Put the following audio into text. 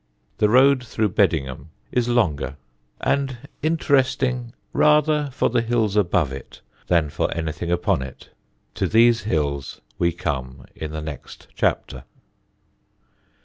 The road through Beddingham is longer, and interesting rather for the hills above it than for anything upon it. To these hills we come in the next chapter.